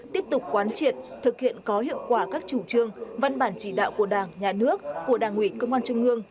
tiếp tục quán triệt thực hiện có hiệu quả các chủ trương văn bản chỉ đạo của đảng nhà nước của đảng ủy công an trung ương